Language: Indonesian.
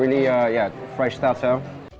ini benar benar seperti starter